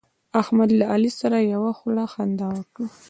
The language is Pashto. احمد له علي سره یوه خوله خندا وکړه.